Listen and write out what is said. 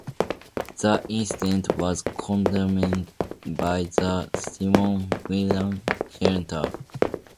The incident was condemned by the Simon Wiesenthal Center.